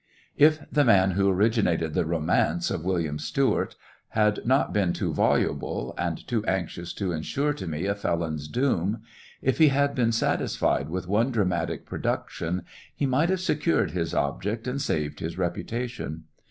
If the man who originated the romance of " William Stewart," had not been too voluble, and too anxious to insure to me a felon's doom, if he had been satisfied with one dramatic production, he might have secured his object and saved his reputation.